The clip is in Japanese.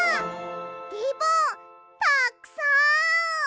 リボンたっくさん！